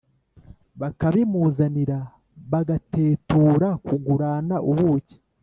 bakabimuzanira bagatetura kugurana ubuki